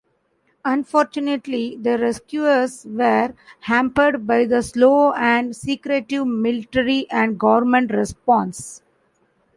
Unfortunately, the rescuers were hampered by the slow and secretive military and government response.